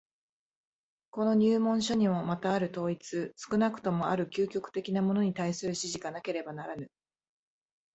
この入門書にもまたある統一、少なくともある究極的なものに対する指示がなければならぬ。